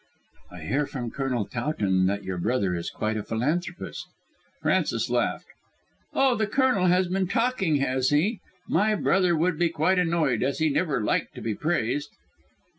"I hear from Colonel Towton that your brother is quite a philanthropist." Frances laughed. "Oh, the Colonel has been talking, has he? My brother would be quite annoyed, as he never liked to be praised."